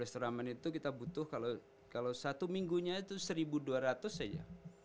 turnamen itu kita butuh kalau satu minggunya itu seribu dua ratus saja